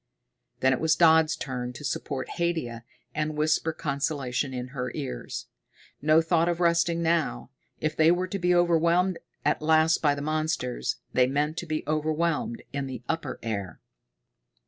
Then it was Dodd's turn to support Haidia and whisper consolation in her ears. No thought of resting now. If they were to be overwhelmed at last by the monsters, they meant to be overwhelmed in the upper air.